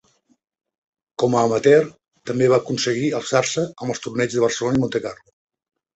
Com a amateur també va aconseguir alçar-se amb els torneigs de Barcelona i Montecarlo.